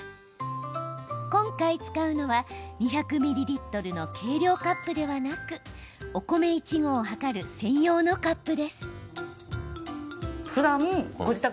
今回、使うのは２００ミリリットルの計量カップではなくお米１合を量る専用のカップです。